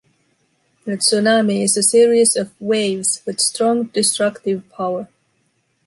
A tsunami is a series of waves with strong destructive power.